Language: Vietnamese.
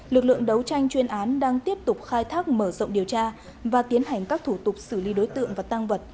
lực lượng đấu tranh chuyên án đang tiếp tục khai thác mở rộng điều tra và tiến hành các thủ tục xử lý đối tượng và tăng vật